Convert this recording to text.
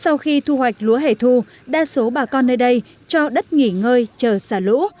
sau khi thu hoạch lúa hẻ thu đa số bà con nơi đây cho đất nghỉ ngơi chờ xả lũ